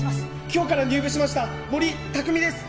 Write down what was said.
今日から入部しました森拓己です。